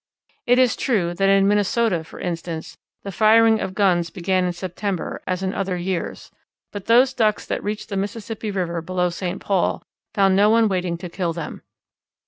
It is true that in Minnesota, for instance, the firing of guns began in September, as in other years; but those Ducks that reached the Mississippi River below St. Paul found no one waiting to kill them.